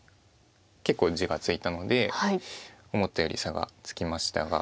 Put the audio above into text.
結構地がついたので思ったより差がつきましたが。